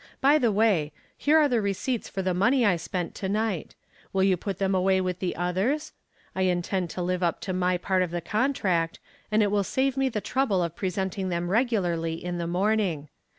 By the way, here are the receipts for the money I spent to night. Will you put them away with the others? I intend to live up to my part of the contract, and it will save me the trouble of presenting them regularly in the morning.